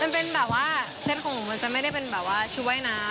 ไม่เป็นแบบว่าเซ็ตของผมมันจะไม่ได้เป็นชุดวัยน้ำ